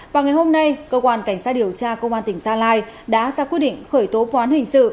vào ngày hôm nay công an cảnh sát điều tra công an tỉnh gia lai đã ra quyết định khởi tố quán hình sự